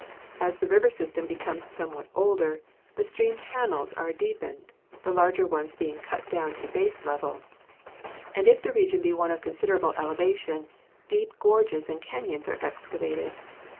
As the river system becomes somewhat older, the stream channels are deepened, the larger ones being cut down to base level, and if the region be one of con 188 GEOLOGY siderable elevation, deep gorges and canons are excavated.